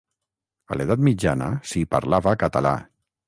A l'Edat Mitjana s'hi parlava català.